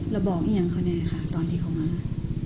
แล้วบอกอย่างค่ะเนี่ยค่ะตอนที่เขามา